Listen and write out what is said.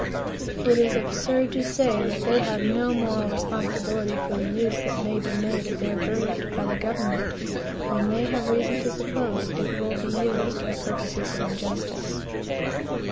It is absurd to say that they have no moral responsibility for the use that may be made of their verdict by the government, when they have reason to suppose it will be used for purposes of injustice.